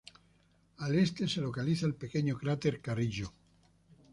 Al este se localiza el pequeño cráter Carrillo.